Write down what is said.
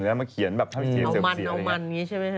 แล้วมาเขียนแบบเสี่ยงเสี่ยงเสี่ยงอะไรอย่างนี้